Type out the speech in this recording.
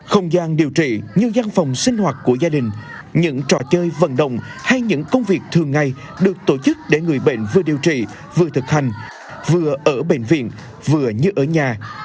không gian điều trị như giang phòng sinh hoạt của gia đình những trò chơi vận động hay những công việc thường ngày được tổ chức để người bệnh vừa điều trị vừa thực hành vừa ở bệnh viện vừa như ở nhà